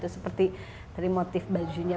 seperti dari motif bajunya